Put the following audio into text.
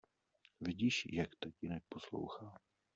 Vidíš, jak tatínek poslouchá.